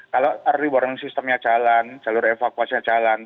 kalau early warning systemnya jalan jalur evakuasinya jalan